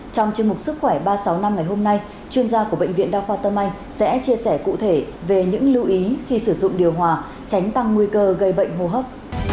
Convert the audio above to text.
trong chương mục sức khỏe ba trăm sáu mươi năm ngày hôm nay chuyên gia của bệnh viện đa khoa tâm anh sẽ chia sẻ cụ thể về những lưu ý khi sử dụng điều hòa tránh tăng nguy cơ gây bệnh hô hấp